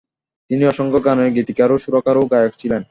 তিনি অসংখ্য গানের গীতিকার, সুরকার ও গায়ক ছিলেন।